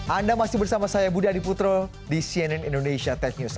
anda masih bersama saya budi adiputro di cnn indonesia tech news